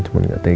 cuman gak tega